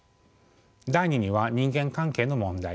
第２には「人間関係」の問題